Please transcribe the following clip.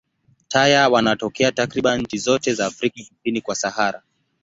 Taya wanatokea takriban nchi zote za Afrika kusini kwa Sahara.